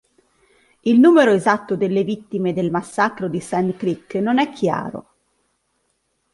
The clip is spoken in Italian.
Il numero esatto delle vittime del massacro di Sand Creek non è chiaro.